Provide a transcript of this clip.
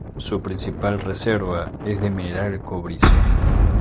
Su principal reserva es de mineral cobrizo.